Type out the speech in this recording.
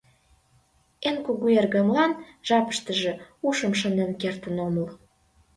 Эн кугу эргымлан жапыштыже ушым шынден кертын омыл.